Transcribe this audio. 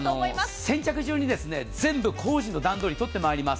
先着順に工事の段取りを取っています。